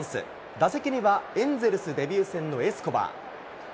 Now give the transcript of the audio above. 打席にはエンゼルスデビュー戦のエスコバー。